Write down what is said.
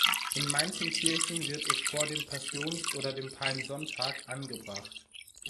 In manchen Kirchen wird es vor dem Passions- oder dem Palmsonntag angebracht.